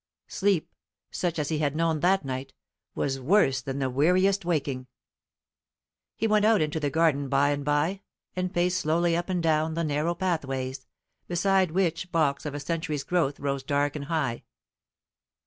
Sleep, such as he had known that night, was worse than the weariest waking. He went out into the garden by and by, and paced slowly up and down the narrow pathways, beside which box of a century's growth rose dark and high.